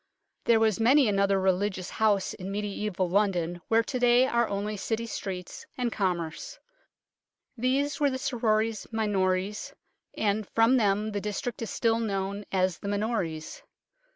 There was many another religious house in mediaeval London where to day are only City streets and commerce. These were the " Sorores Minores," and from them the district is still known as the Minories.